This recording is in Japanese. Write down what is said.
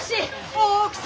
大奥様